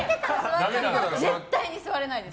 絶対に座れないです！